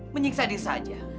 menyiksa diri saja